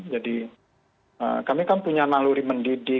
jadi kami kan punya malu reputasi